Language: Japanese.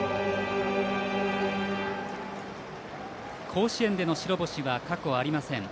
甲子園での白星は過去ありません。